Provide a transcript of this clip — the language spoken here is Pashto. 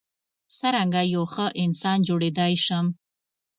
څرنګه یو ښه انسان جوړیدای شم.